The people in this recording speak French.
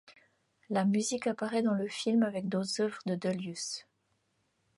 La musique apparait dans le film avec d'autres œuvres de Delius.